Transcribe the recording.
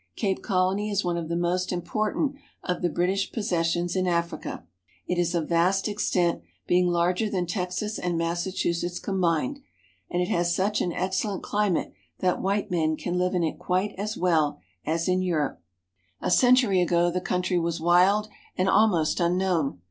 Cape Colony is one of the most impor tant of the British possessions in Africa. It is of vast extent, being larger than Texas and Massachusetts com bined, and it has such an excellent climate that white men can live in it quite as well as in Europe. 320 AFRICA A century ago the country was wild and almost unknown.